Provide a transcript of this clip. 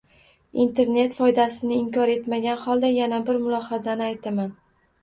Internet foydasini inkor etmagan holda, yana bir mulohazani aytaman: